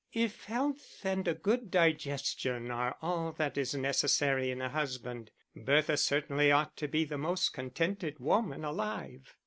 "If health and a good digestion are all that is necessary in a husband, Bertha certainly ought to be the most contented woman alive."